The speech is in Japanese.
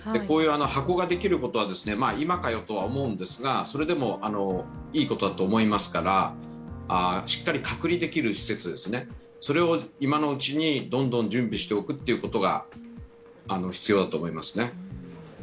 こういう箱ができることは、今かよとは思うんですが、それでも、いいことだと思いますからしっかり隔離できる施設を今のうちにどんどん準備しておくことが必要だと思いますね。